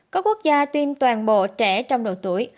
có quốc gia tiêm toàn bộ trẻ trong đầu tuổi